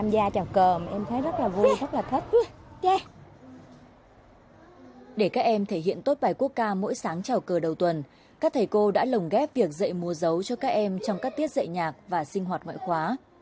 để các em thể hiện tốt bài quốc ca mỗi sáng trào cờ đầu tuần các thầy cô đã lồng ghép việc dạy múa dấu cho các em trong các tiết dạy nhạc và sinh hoạt ngoại khóa